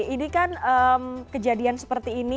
ini kan kejadian seperti ini